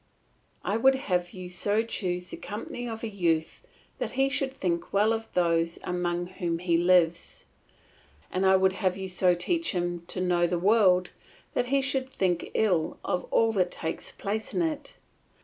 I would have you so choose the company of a youth that he should think well of those among whom he lives, and I would have you so teach him to know the world that he should think ill of all that takes place in it.